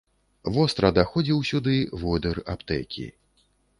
Востра даходзіў сюды водыр аптэкі.